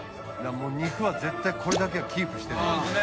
もう肉は絶対これだけはキープしてるんだよね。